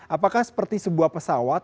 apakah seperti sebuah pesawat